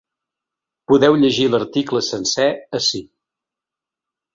Podeu llegir l’article sencer ací.